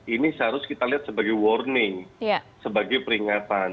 ini seharusnya kita lihat sebagai warning sebagai peringatan